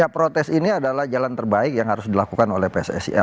protes ini adalah jalan terbaik yang harus dilakukan oleh pssi